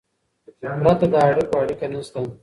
پرته له اړیکو، اړیکه نسته.